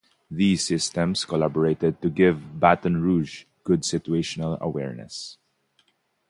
These systems collaborated to give "Baton Rouge" good situational awareness.